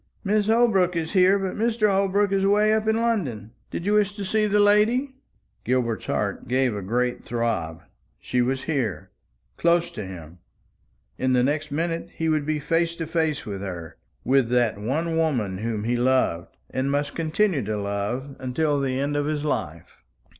"Mrs. Holbrook is here, but Mr. Holbrook is away up in London. Did you wish to see the lady?" Gilbert's heart gave a great throb. She was here, close to him! In the next minute he would be face to face with her, with that one woman whom he loved, and must continue to love, until the end of his life.